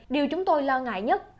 điều chúng tôi lo ngại nhất